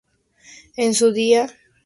En su día, esta calle se llamó pesquería.